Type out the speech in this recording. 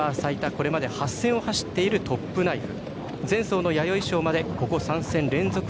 これまで８戦を走っているトップナイフ。